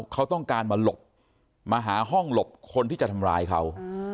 เขาต้องการมาหลบมาหาห้องหลบคนที่จะทำร้ายเขา